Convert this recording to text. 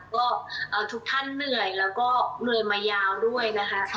ก็ทุกท่านเหนื่อยแล้วก็เหนื่อยมายาวด้วยนะคะ